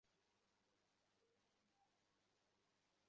কাম on, যাওয়া যাক!